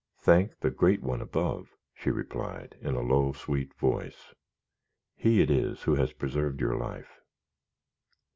"Thank the Great One above," she replied, in a low, sweet voice. "He it is who has preserved your life."